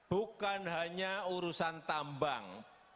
bukan hanya urusan tambang